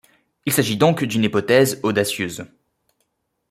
Il s'agit donc d'une hypothèse audacieuse.